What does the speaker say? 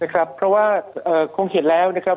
นะครับเพราะว่าเอ่อคงเห็นแล้วนะครับ